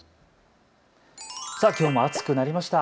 きょうも暑くなりました。